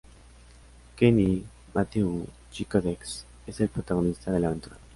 Kenny Matthews: Chico dex, es el protagonista de la aventura.